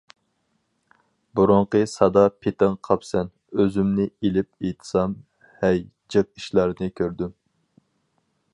بۇرۇنقى سادا پېتىڭ قاپسەن، ئۆزۈمنى ئېلىپ ئېيتسام، ھەي، جىق ئىشلارنى كۆردۈم.